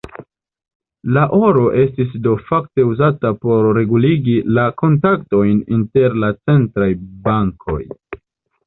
La oro estis do fakte uzata por reguligi la kontaktojn inter la centraj bankoj.